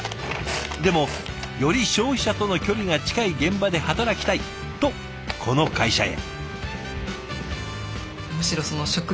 でも「より消費者との距離が近い現場で働きたい！」とこの会社へ。